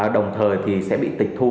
đồng thời thì sẽ bị tịch thu